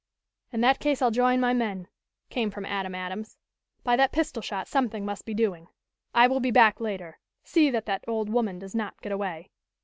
"In that case I'll join my men," came from Adam Adams. "By that pistol shot something must be doing. I will be back later. See that that old woman does not get away."